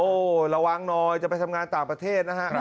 โอ้โหระวังหน่อยจะไปทำงานต่างประเทศนะฮะ